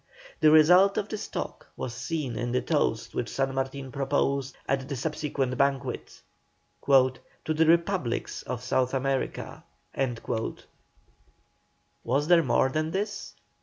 The result of this talk was seen in the toast which San Martin proposed at the subsequent banquet: "To the REPUBLICS of South America." Was there more than this?